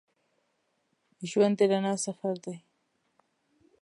ژوند د رڼا سفر دی.